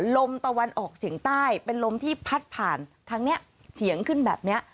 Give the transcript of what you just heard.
ลมตะวันออกเฉียงใต้เป็นลมที่พัดผ่านทางนี้เฉียงขึ้นแบบนี้